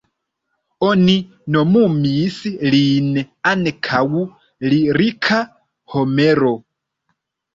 Oni nomumis lin ankaŭ "lirika Homero".